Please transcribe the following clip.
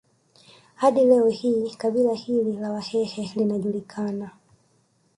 Hadi leo hii kabila hili la Wahee linajulikana